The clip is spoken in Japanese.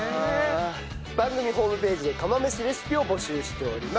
番組ホームページで釜飯レシピを募集しております。